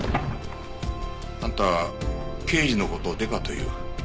あんたは刑事の事をデカと言う。